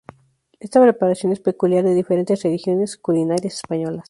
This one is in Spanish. Esta preparación es peculiar de diferentes regiones culinarias españolas.